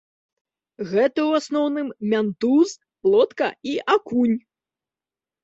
Гэта ў асноўным мянтуз, плотка і акунь.